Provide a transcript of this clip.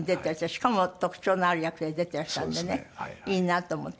しかも特徴のある役で出てらっしゃるんでねいいなと思って。